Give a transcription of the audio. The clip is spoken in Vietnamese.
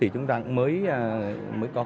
chúng ta mới có chương trình đào tạo trong nước